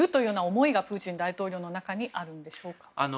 思いがプーチン大統領の中にあるんでしょうか。